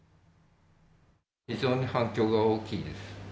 非常に反響が大きいです。